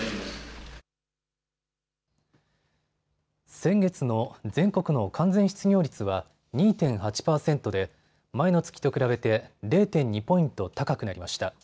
先月の全国の完全失業率は２．８％で前の月と比べて０．２ポイント高くなりました。